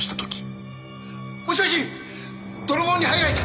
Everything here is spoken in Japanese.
もしもし泥棒に入られた！